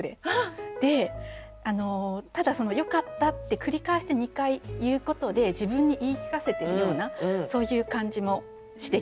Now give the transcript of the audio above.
でただ「よかった」って繰り返して２回言うことで自分に言い聞かせてるようなそういう感じもしてきます。